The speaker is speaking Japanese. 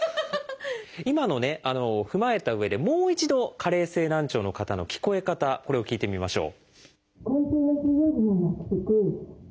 今のを踏まえたうえでもう一度加齢性難聴の方の聞こえ方これを聞いてみましょう。